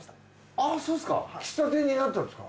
ああそうですか。